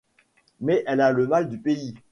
Mais elle a le mal du pays.